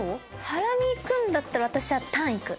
ハラミいくんだったら私はタンいく。